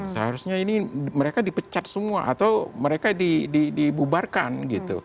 seharusnya ini mereka dipecat semua atau mereka dibubarkan gitu